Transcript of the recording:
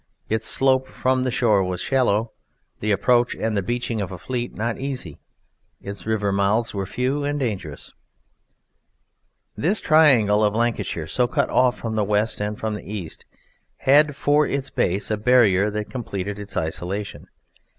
Its slope from the shore was shallow: the approach and the beaching of a fleet not easy. Its river mouths were few and dangerous. This triangle of Lancashire, so cut off from the west and from the east, had for its base a barrier that completed its isolation.